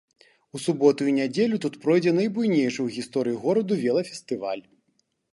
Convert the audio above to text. У суботу і нядзелю тут пройдзе найбуйнейшы ў гісторыі гораду велафестываль.